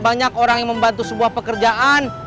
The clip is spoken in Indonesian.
banyak orang yang membantu sebuah pekerjaan